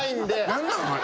何なんあれ？